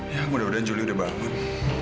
ya mudah mudahan juli udah bagus